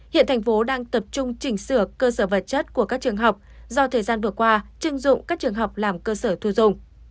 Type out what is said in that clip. hiện tp hcm đang tập trung chỉnh sửa cơ sở vật chất của các trường học do thời gian vừa qua trưng dụng các trường học làm cơ sở thu dung